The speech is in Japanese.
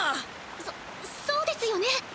そそうですよね。